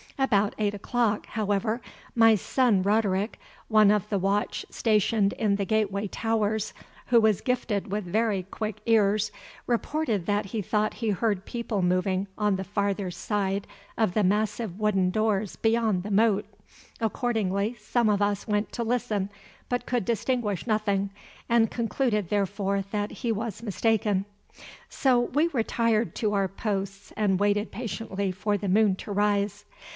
About eight o'clock, however, my son Roderick, one of the watch stationed in the gateway towers, who was gifted with very quick ears, reported that he thought he heard people moving on the farther side of the massive wooden doors beyond the moat. Accordingly some of us went to listen, but could distinguish nothing, and concluded therefore that he was mistaken. So we retired to our posts and waited patiently for the moon to rise.